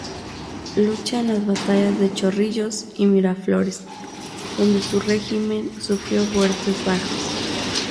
Lucha en las batallas de Chorrillos y Miraflores, donde su regimiento sufrió fuertes bajas.